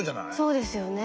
そうですよね。